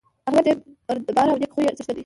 احمد ډېر بردباره او د نېک خوی څېښتن دی.